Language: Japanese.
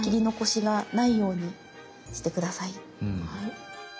はい。